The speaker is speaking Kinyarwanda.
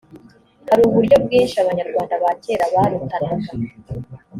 hari uburyo bwinshi abanyarwanda ba kera barutanaga .